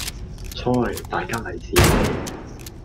啋,大吉利是咩